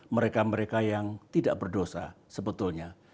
mereka mereka yang tidak berdosa sebetulnya